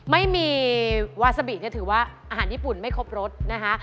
ไม่มีวาซาบิเนี่ยถือว่าอาหารญี่ปุ่นไม่ครบรสนะคะ